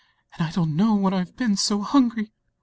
I don't know when Fve been so hungry!'